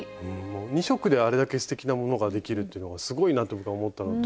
２色であれだけすてきなものができるっていうのがすごいなって僕は思ったのと。